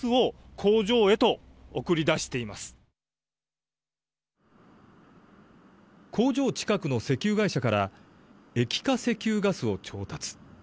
工場近くの石油会社から液化石油ガスを調達。